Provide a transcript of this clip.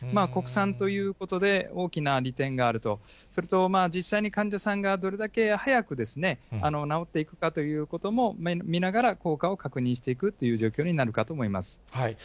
国産ということで大きな利点があると、それと、実際に患者さんがどれだけ早く治っていくかということも見ながら効果を確認していくという状況になるかと思います。